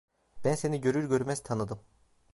Ben seni görür görmez tanıdım.